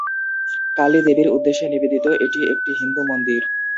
কালী দেবীর উদ্দেশ্যে নিবেদিত এটি একটি হিন্দু মন্দির।